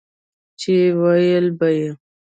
چې وييل به يې